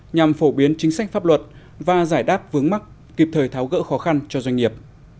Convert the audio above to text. nhằm phổ biến chính sách pháp luật và giải đáp vướng mắt kịp thời tháo gỡ khó khăn cho doanh nghiệp